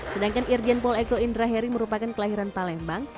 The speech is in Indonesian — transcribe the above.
sedangkan irjen paul eko indraheri merupakan kelahiran palembang